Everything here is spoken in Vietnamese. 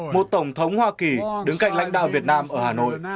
một tổng thống hoa kỳ đứng cạnh lãnh đạo việt nam ở hà nội